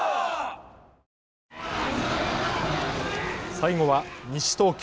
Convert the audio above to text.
最後は西東京。